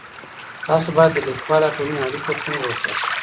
تاسو بايد د ليکوال او ټولني اړيکه ټينګه وساتئ.